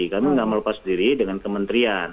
kami tidak melepas diri dengan kementerian